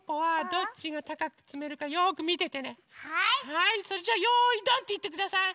はいそれじゃ「よいドン」っていってください！